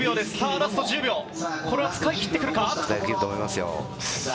ラスト１０秒、使い切ってくるか。